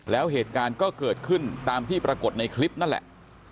แล้วเหตุการณ์ก็เกิดขึ้นตามที่ปรากฏในคลิปนั่นแหละ